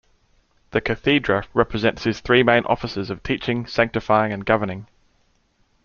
The Cathedra represents his three main offices of teaching, sanctifying and governing.